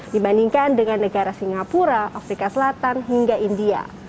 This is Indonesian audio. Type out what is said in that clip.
dibandingkan dengan negara singapura afrika selatan hingga india